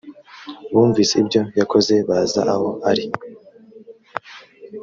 bumvise ibyo yakoze baza aho ari